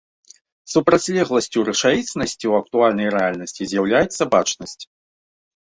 Супрацьлегласцю рэчаіснасці ў актуальнай рэальнасці з'яўляецца бачнасць.